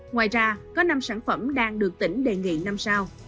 ngoài ra có năm sản phẩm đang được tỉnh đề nghị năm sao